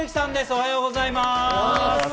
おはようございます。